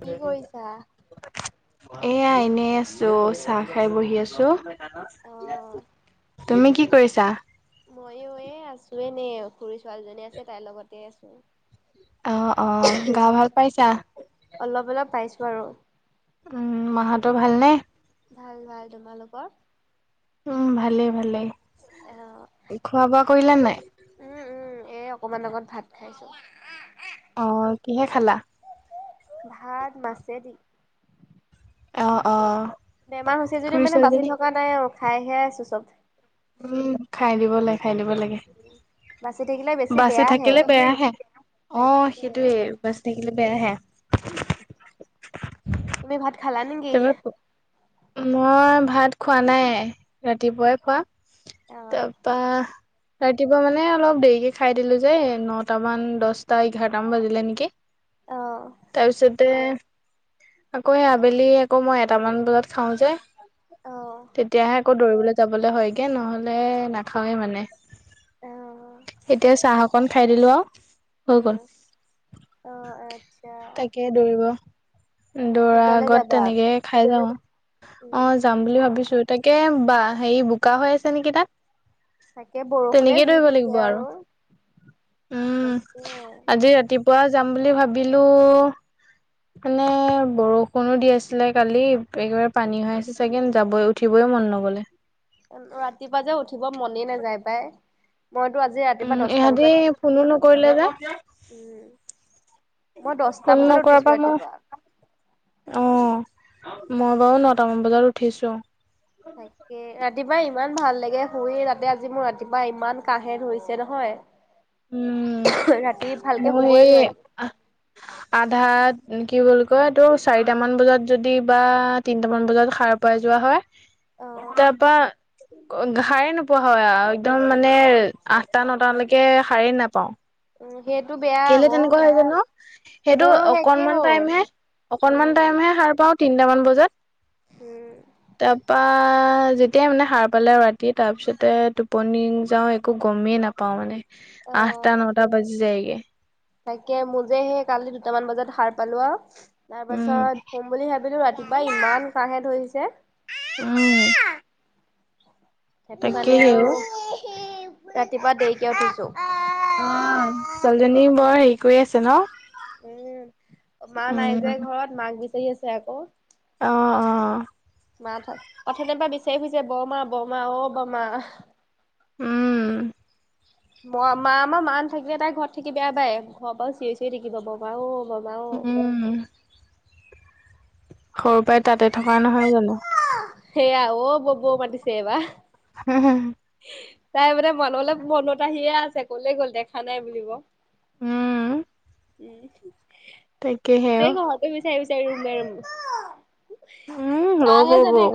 কিগ কৰিয়ছা। এয়া এনে আছো চাহ খাই বহি আছো। অ' তুমি কি কৰিছা। মইো এ আছো এনে খুৰী ছোৱালীজনী আছে তাইৰ লগতে আছো। অ অ গা ভাল পাইছা? অলপ-অলপ পাইছো আৰু। উম, মাহাতটো ভালনে। ভাল - ভাল তোমালোকৰ? উম, ভালেই- অ' ভালেই খোৱা বোৱা কৰিলো নাই? এই অকণমান আগত ভাত খাইছ। অ, কিহে খালা। ভাত মাছেদি অ - অ। বেমাৰ হৈছে যদিও খুৰী মানে বাচি ছোৱালীজনী থকা নাই আৰু খাইহে আছো চব। উম, খাই দিব লাগে - খাই দিব লাগে। বাচি থাকিলে বেছি বাচি বেয়াহে থাকিলে বেয়াহে অ, তাকে সেইটোয়ে বাচি থাকিলে বেয়া আহে। তুমি ভাত খালা নেকি। মই ভাত খোৱা নাই ৰাতিপুৱাই খোৱা। অ' তাৰপা ৰাতিপুৱা মানে অলপ দেৰিকে খাই দিলো যে নট মান দছটা এঘাৰট মান বাজিলে নেকি। অ' তাৰপিছতে আকৌ আবেলি আকৌ মই এটামান বজাত চাও যে অ' তেতিয়াহে আকৌ দৌৰিবলৈ যাবলে হয়গে নহলে নাখাওৱে মানে। অ' এতিয়া চাহ অকন খাই দিলো আৰু। হৈ উম, অ, আচ্ছা তাকেই দৌৰিব দৌৰা ফিল্ডলে আগত যাবা তেনেকে খাই যাও অ, উম। যাম বুলি ভাবিছো। তাকে বা হেৰি বোকা হৈ আছে নেকি তাত। তাকে বৰষুণে তেনেকেই জি দৌৰিব লাগিব দিছে আৰু। তাকে। পুৱোৱা যাম বুলি ভাবিলো। মানে বৰষুণো দি আছিলে কালি একেবাৰে পানী হৈ আছে চাগে যাবই উঠিবই। মন নগলে ৰাতিপুৱা যে উঠিব মনে নাযায় পাই। মইতো আজি ৰাতিপুৱা উম দচটা ইহঁতি বজাতছো ফোনো নকৰিলে যে উম, মই ফোন দছটা বজাত নকৰাৰ উঠিছো পৰা মই ৰাতিপুৱা। অ মই বাৰু নটামান বজাত উঠিছো। তাকে ৰাতিপুৱা ইমান ভাল লাগে শুইে তাতে আজি মোৰ ৰাতিপুৱা ইমান কাহে ধুইছে নহয়। উম, ৰাতি ভালকে মই শুবই নোৱাৰিম স আধা কি বুলিল কয় তোৰ চাৰিট মান বজাত যদি বা তিনটামান বজাত সাৰ পাই যোৱা হয়। অ তাৰপা ঘ - ঘাই নোপোৱা হয় একদম মানে আঠটা নটালৈকে খাৰেই নাপাও। উ সেইটো বেয়া কেলে আকৌ তেনেকুৱা হয় জানো সেইটো মোৰো শেষেই অকনমান টাইম হ'ল হে অকনমান উম টাইমহে সাৰ পাও তিনটামান বজাত উম তাৰপা যেতিয়াই মানে সাৰ পালে আৰু ৰাতি তাৰ পিছতে টোপনি যাওঁ একো গমেই নাপাওঁ মানে। আঠটা অ নটা বাজি যায়গে। তাকে মোৰ যে সেই কালি দুটামান বজাত সাৰ পালো আৰু তাৰ উম পাছত হোম বুলি ভাবিলো ৰাতি কোবাই ইমান কহে উম ধৰিছে। সেইটো তাকে কাৰণে সেও আৰু ৰাতিপুৱা দেৰিকে উঠিছো। আহ ছোৱালীজনী বৰ হেৰি কৰি আছে ন? উম মা উম নাই যে ঘৰত মাক বিচাৰি আছে আকৌ। অঁ অঁ। মা পথনে পৰা বিচাৰি ফুজছে বৰমা বৰমা অ বমা। উম ম - মা আমাৰ মা ন থাকিলে তাই ঘৰত থাকি বেয়া বাই ঘৰৰাৰ চিঞৰি চিঞৰি থাকি যাব বাৰ। উম। সৰুৰ পৰাই তাতে থকা নহয় জানো। সেয়া অ ববো মাটিছে এবাৰ। তাই মানে মানুহলৈ মনত আহিয়ে আছে কলে গ'ল দেখা নাই বুলিব। উম। উম। তাকে হে অ চাই বিচাৰি উলাই উম ল'ব‌ ল'ব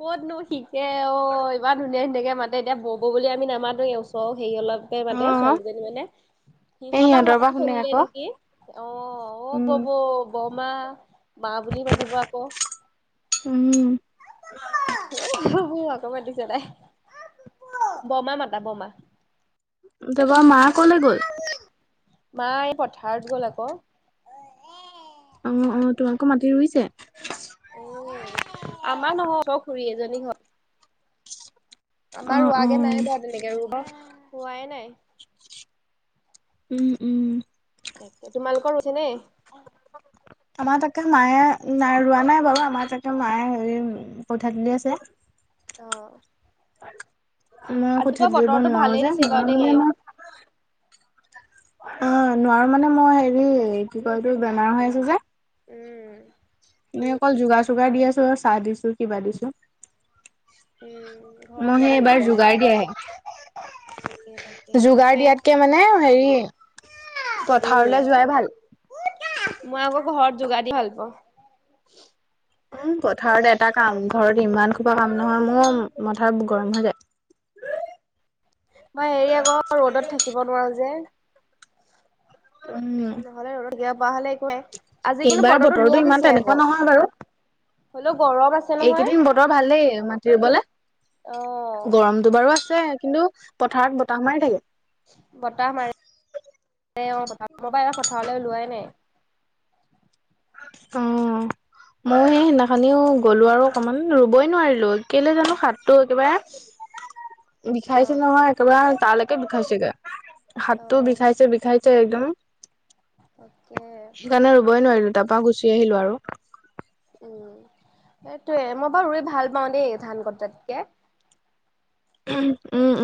কতনো শিকে অ ইমান ধুনীয়া ধুনীয়াকে মাতে এতিয়া বৌ বুলি আমি নামাতো এই ওচৰ সেৰি অলপকে মাতে অ ছোৱালী দুজনী মানে এই সিহঁতক সিহঁতৰ মতা পৰা শুনে চলিলে আকৌ। নেকি অ অ ববৌ বৰমা মা বুলি মাতিব আকৌ উম, আকৌ মাতিছে আকৌ মাতিছে বৰমা মাতা বৰমা। তাৰপৰা মা কলে গ'ল। মা এই পথাৰত গ'ল আকৌ উম উম তোমাৰ লোকৰ মাটি ৰুইছে। উ আমাৰ নহও বাৰু খুৰী এজনী ঘৰত। [inaudible] আমাৰ অ', ৰোৱাগে অ'। নাই বাৰু তেনেকে ৰুব হোৱাই নাই। উম, উম। তাকে তোমালোকৰ ৰুইছে নে? আমাৰ তাকে মায়ে নাই ৰোৱা নাই বাৰু আমাৰ তাকে মায়ে হেৰি কঠীয়া তুলি আছে। অ, মই আজি কঠীয়া বাৰু তুলিব বতৰটো নোৱাৰো ভালেই যে দিছে বাৰু দেই। মে মই অ নোৱাৰো মানে মই হেৰি কি কয় তো বেমাৰ হৈ আছো যে উম। আমি অকল যোগাৰ চোগাৰ দি আছোঁ আৰু চাহ দিছো, কিবা দিছো। উম। ঘৰৰ মইহে ওচৰতে এইবাৰ কঠিয়াছে। যোগাৰ তাকে তাকে দিয়াহে। যোগাৰ সেইটোয়ে দিয়াতকে ভাল। মানে হেৰি উম, পথাৰলৈ যোৱাই ভাল। মই আকৌ ঘৰত যোগাৰ দি ভাল পাওঁ। উম পথাৰত এটা কাম ঘৰত ইমান খোপা কাম নহয় মোৰ মথা গৰম হৈ যায়। মই হেৰি আকৌ ৰ'দত থাকিব নোৱাৰো যে। উম। পোৱা হ'লে একো নাই আজি কিন্তু এইবাৰ বতৰটো ধুনীয়া ইমান দিছে তেনেকুৱা আকৌ। নহয় বাৰু হ'লেও গৰম আছে নহয়। এইকেইদিন বতৰ ভাল মাটি ৰুবলে অ', গৰমতটো বাৰু আ ছে কিন্তু পথাৰত বতাহ মাৰি থাকে। বতাহ মাৰে [unintelligible] অ', বতাহ [unintelligible] পথাৰলৈ ওলোৱাই নাই। অ'। ময় সেই সেইদিনাখনিও গ'লো আৰু অকমান ৰুবই নোৱাৰিলো, কেলে জানো হাতটো একেবাৰে [inaudible] বিষাইছে অ', নহয় একেবাৰে, তালৈকে বিষাইছেগে। হাতটো অ', বিষাইছে, সেইটো বিষাইছে একদম, তাকে সেইকাৰণে ৰবই নোৱাৰিলো। তাৰপা গুচি আহিলোঁ আৰু। উম, সেইটোয়ে, মই বাৰু ৰুই ভাল পাওঁ দেই ধান কটাতকে। উম,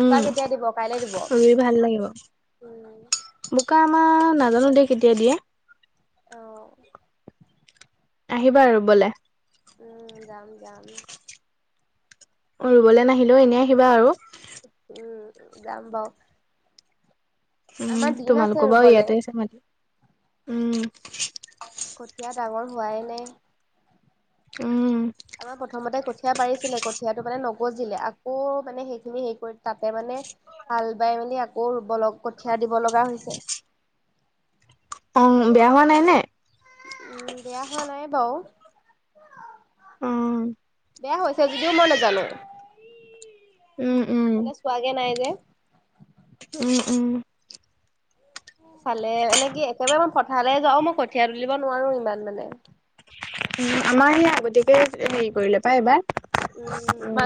বোকা কেতিয়া দিব কাইলে দিব? ৰুই ভাল উম। লাগিব। বোকা আমাৰ, নাজানো দে কেতিয়া দিয়ে। অ'। আহিবা ৰুবলে। উম, যাম, যাম। ৰুবলৈ নাহিলেও, এনেই আহিবা আৰু। উম, যাম বাৰু। উম, আমাৰ দিন আছে তোমালোকৰ বাৰু ৰুবলে। ইয়াতে আছে মাটি, উম। কঠীয়া ডাঙৰ হোৱাই নাই। উম আমাৰ প্ৰথমতে কঠীয়া পাৰিছিলে, কঠীয়াটো মানে ন [unintelligible] আকৌ মানে সেইখিনি হেৰি কৰি তাতে মানে, হাল বাই মেলি আকৌ ৰুব লগ কঠিয়াত দিব লগা হৈছে। অ', বেয়া হোৱা নাই নে? উম, বেয়া হোৱা নাই বাৰু। উম বেয়া হৈছে যদিও মই নাজানো। উম উম মানে চোৱাগে নাই যে। উম, উম। চালে, এনে কি একেবাৰে মই পঠাৰলে যাওঁ, মই কঠীয়া তুলিব নোৱাৰো ইমান মানে। উ, আমাৰ হেই আগতীয়াকে হেৰি কৰিলে পাই এইবাৰ। উম,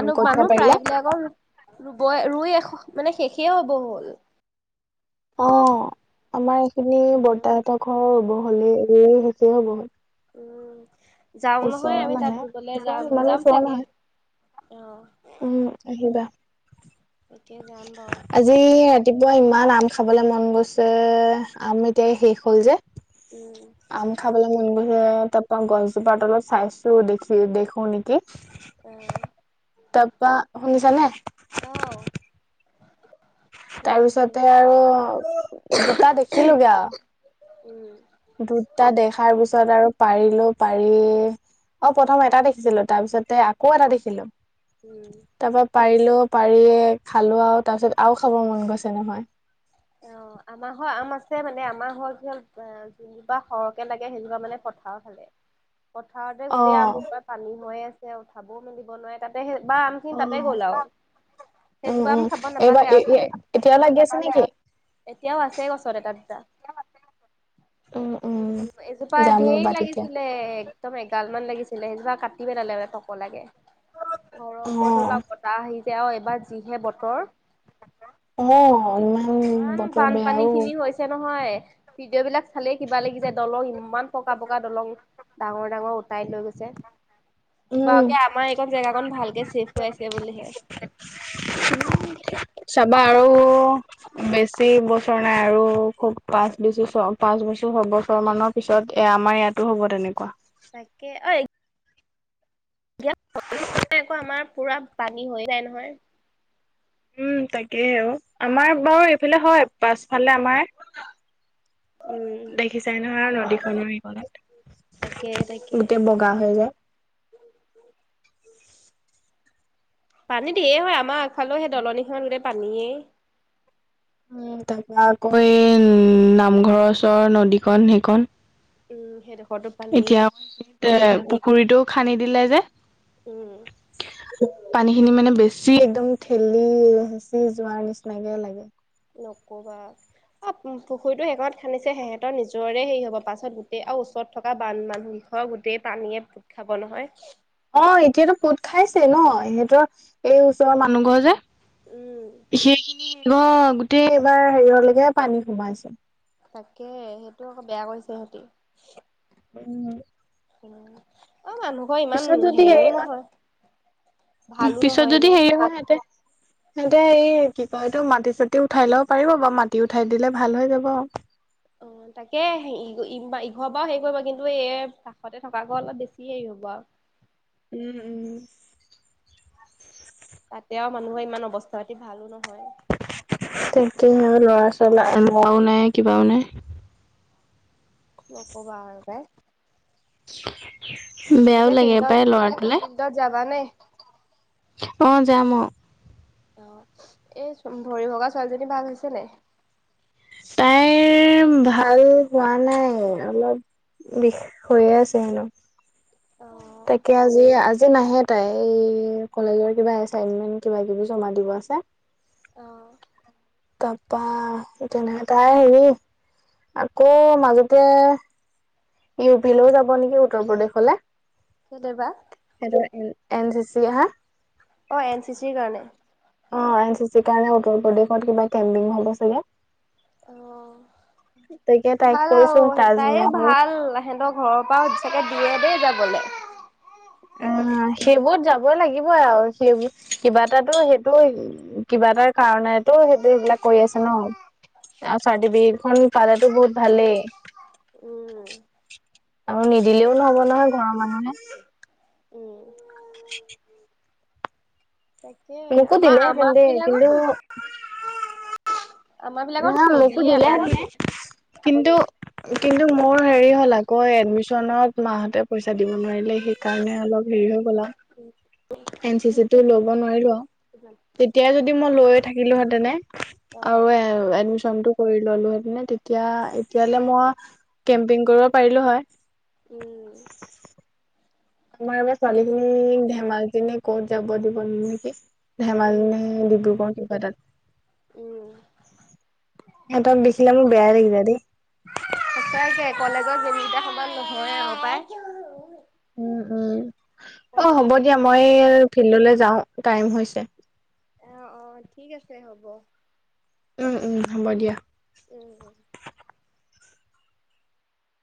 উম কঠীয়া পাৰিলে প্ৰাইবিলাকৰ ৰুবই, ৰুই এশ, মানে শেষেই হ'ব হ'ল। অ', আমাৰ এইখিনি উম, বৰ্তাহতৰ ঘৰৰ ৰুব হ'লে, ৰুই শেষে হ'ব হ'ল। উম। যাওঁ নহয় ওচৰ আমি তাত মানে, ৰুবলে যাম ইমানো যাম ওচৰ চাগে। নহয়। অ', উম, আহিবা তাকে যাম বাৰু আজি। ৰাতিপুৱা, ইমান আম খাবলৈ মন গৈছে, আম এতিয়া শেষ হ'ল যে। উম। আম খাবলৈ মন গৈছে, তাৰ পৰা গছজোপাৰ তলত চাইছো দেখি-দেখো নেকি। অ', তাৰপা শুনিছা নে? অ', শুনিছোঁ তাৰপিছতে শুনিছোঁ। আৰু দুটা দেখিলোগে আৰু। উম। দুটা দেখাৰ পিছত আৰু পাৰিলো। পাৰি, অ', প্ৰথম এটা দেখিছিলো, তাৰ পিছতে আকৌ এটা দেখিলো। উম। তাৰপা পাৰি লৈ পাৰিয়ে খালো আৰু তাৰ পিছত আৰু খাব মন গৈছে নহয়। অ', আমাৰ ঘৰ আম আছে মানে আমাৰ ঘ-য হল যোনোপা সৰহকে লাগে সেইজোপা মানে পথাৰৰ ফালে, পথাৰতে অ গোটেই আমুৰ পৰা পানী হৈ আছে, উঠাবও মেলিব নোৱাৰে তাতে বা আমখিনি তাতে গ'লাও। উম, উম, এইবাৰ-এতিয়া লাগি আছে নেকি? এতিয়াও আছে গছত এটা, দুটা। উম উ, উম এজোপা যাম ধেৰ ৰ'বা তেতিয়া লাগিছিলে। একদম এগালমান লাগিছিলে সেইজোপা কাটিব পেলালে মানে টপলা কে। অ, ৰ' ওপৰত ধৰি লওক বতাহ আহি যে আৰু এইবাৰ যিহে বতৰ। [inaudible] অ ইমান ইমান বতৰ বানপানী বেয়াও খিনি হৈছে নহয়। নহয় ভিডিঅ' বিলাক চালে কিবা লাগি যায় দলং ইমান পকা পকা দলং ডাঙৰ ডাঙৰ উতাই। উঠাই লৈ গৈছে। উম বাওঁকে আমাৰ এইকন জেগাকন ভালকে চেফ হৈ আছে বুলিহে। চাবা আৰু বেছি বছৰ নাই আৰু খুব। পাঁচ বেছি ছ পাঁচ বছৰ ছয়বছৰ মানৰ পিছত এ আমাৰ ইয়াতো হ'ব তেনেকুৱা। তাকে অই। এতিয়া আকৌ আমাৰ পুৰা পানী হৈ যায় নহয়। উম তাকেই আৰু আমাৰ বাৰু এইফালে হয় পাছফালে আমাৰ। উম দেখিছাই নহয় নদীখনৰ তাকে তাকে সিখনত। গোটেই বগা হৈ যায়। পানী দিয়ে হয় আমাৰ আগফালে সেই দলনিখন গোটেই পানীয়েই। উ তাৰপৰা আকৌ এই উম নামঘৰ ওচৰৰ নদীখন সেই খন। উম সেইটো। এতিয়া এ পুখুৰীটো খান্দি দিলে যে। উম। পানী খিনি মানে বেছি একদম ঠেলি সিঁচি যোৱাৰ নিচিনাকে লাগে। নক'বা। অ পুখুৰীটো সেইকণত খান্দিছে সিহঁতৰ নিজৰে হেৰি হব পাছত গোটেই আৰু ওচৰত থকা বান মানুহ। ঘৰ গোটেই পানীয়ে পুত খাব নহয়। অ এতিয়াতো পোত খাইছে নহ সিহঁতৰ এই ওচৰৰ মানুহ ঘৰ যে। উম সেইখিনি গোটেই এবাৰ হেৰিয়লৈকে পানী সোমাইছে। তাকে সেইটো আকৌ বেয়া কৰিছে সিহতি। উম। অ মানুহ ঘৰ ইমান পিছত যদি হেৰি হেৰিও হয় নহয়। ভালো পিছত নহয় যদি যে। হেৰি হয় সিহঁতে। সিহতে এই কি কয় এইটো মাটি চাটি উঠাই লব পাৰিব বাৰু মাটি উঠাই দিলে ভাল হৈ যাব। অ তাকে ইঘৰ পৰা হেৰি কৰিব কিন্তু এই কাষতে থকা ঘৰ অলপ বেছি হেৰি হব। বা উম উম। তাতে আৰু মানুহৰ ইমান অৱস্থা পাতি ভালো নহয়। তাকে লৰা ছোৱালী এৱাও নাই কিবাও নাই। নকবা আৰু পাই। বেয়াও এতিয়া লাগে ফিল্ডত পাই ল'ৰাটোলৈ। ফিল্ডত যাবানে? অ যাম অ। অহ এই ভৰি ভগা ছোৱালীজনী ভাল হৈছে নে নাই। তাইৰ। ভাল হোৱা নাই অলপ বিষ হৈয়ে আছে হেনো। অ', তাকে আজি আজি নাহে। তাইৰ কলেজৰ কিবা এচাইনমেন্ট কিবা কিবি জমা দিব আছে। অ', তাৰপৰা তেনেকা তাই হেৰি। আকৌ মাজেতে। ইউ পি লৈও যাব নেকি উত্তৰ প্ৰদেশলৈ। কেলে বা? সিটো এনচিচি হা। অ এনচিচিৰ কাৰণে। অ এনচিচিৰ কাৰণে উত্তৰ প্ৰদেশত কিবা কেম্পিং হব চাগে। তাকে অহ। তাইক ভাল কৈছো আৰু তাইৰ তাজমহল ভাল সিহতৰ ঘৰৰ পৰাও। দিয়ে দেই যাবলৈ। [unintelligible] অ'।। উম সেইবোৰত যাবই লাগিবই আৰু সেইবোৰ কিবা এটাতো সেইটো কিবা এটাৰ কাৰণ ণটো সেইটো সেইবিলাক কৰি আছে ন'। আৰু চাৰ্টিফিকেটখন পালাটো বহুত ভালে। উম, আৰু নিদিলেও নহ'ব নহয় ঘৰৰ মানুহে। উম, তাকে মোকো আমাৰ দিলেহেঁতেন আমাৰ দেই কিন্তু বিলাকত নি না মোকো দিলে যাবলে। [unintelligible] কিন্তু কিন্তু মোৰ হেৰি হ'ল আকৌ এডমিচনত মাহঁতে পইচা দিব নোৱাৰিলে। সেইকাৰণে অলপ হেৰি হ'ল। এন চি চি টো ল'ব নোৱাৰিলো আও, তেতিয়াই যদি মই লৈয়ে থাকিলো হেতেনে আৰু অ', এডমিশ্বনটো কৰি ল'লো হয় তেতিয়া এতিয়ালে মই কেম্পিং কৰিব পাৰিলো হয়। উম, আমাৰ এইবাৰ ছোৱালী তাকেই খিনি ধেমাজি নে ক'ত যাব দিব নেকি? উম, ধেমালি ডিব্ৰুগড় কিবা তাত। উম। সহঁত দেখিল মো বেয়াই লাগি যাই দেই। তাইে কলেজত যেনিটা সমান নহয় আৰু পায় উম উম অ', হ'ব দিয়া দিনকেইটা মই ফিল্ডলৈ যাওঁ। টাইম হৈছে। আহ অ ঠিক আছে হ'ব। উম উম হ'ব দিয়া। উম।